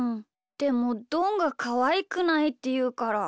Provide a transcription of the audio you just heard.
でもどんが「かわいくない」っていうから。